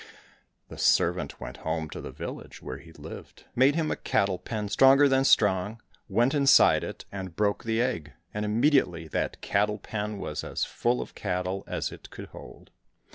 The servant went home to the village where he lived, made him a cattle pen stronger than strong, went inside it and broke the egg, and immediately that cattle pen was as full of cattle as it could hold.